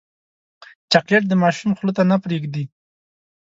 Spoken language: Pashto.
چاکلېټ د ماشوم خوله نه پرېږدي.